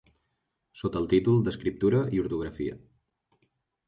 Sota el títol d'Escriptura i ortografia.